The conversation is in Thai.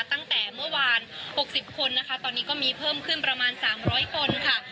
ตั้งแต่เมื่อวาน๖๐คนนะคะตอนนี้ก็มีเพิ่มขึ้นประมาณ๓๐๐คนค่ะ